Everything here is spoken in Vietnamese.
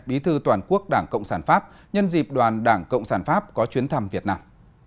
bí thư toàn quốc đảng cộng sản pháp nhân dịp đoàn đảng cộng sản pháp có chuyến thăm việt nam